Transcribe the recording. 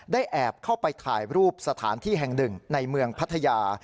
แอบเข้าไปถ่ายรูปสถานที่แห่งหนึ่งในเมืองพัทยา